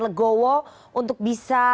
legowo untuk bisa